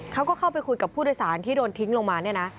เขาก็เข้าไปคุยกับผู้โดยสารที่โดนทิ้งลงมาเนี่ยนะ